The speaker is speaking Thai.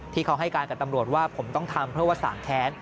ที่เขาให้การกับตำรวจว่าผมต้องทำเพราะว่าสางแค้น